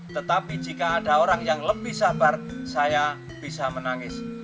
tetapi jika ada orang yang lebih sabar saya bisa menangis